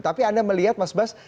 tapi anda melihat mas bas